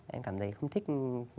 em cảm thấy không thích